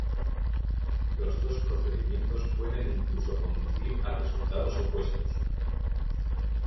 Los dos procedimientos pueden incluso conducir a resultados opuestos.